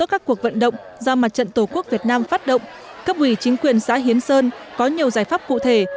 các cuộc vận động do mặt trận tổ quốc việt nam phát động cấp ủy chính quyền xã hiến sơn có nhiều giải pháp cụ thể